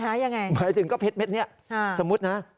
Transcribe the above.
หมายถึงก็เพชรเม็ดนี้สมมุตินะ